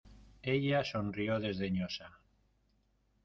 ella sonrió desdeñosa: